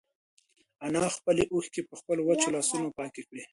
انا خپلې اوښکې په خپلو وچو لاسونو پاکې کړې.